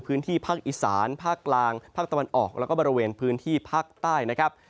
พื้นที่ภาคอีสานภาคกลางภาคตะวันออกแล้วก็บริเวณพื้นที่ภาคใต้นะครับ